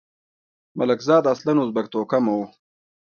ملکزاد اصلاً ازبک توکمه وو.